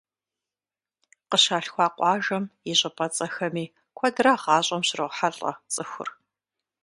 Къыщалъхуа къуажэм и щӀыпӀэцӀэхэми куэдрэ гъащӀэм щрохьэлӀэ цӀыхур.